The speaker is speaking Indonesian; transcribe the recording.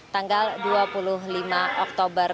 tanggal dua puluh lima oktober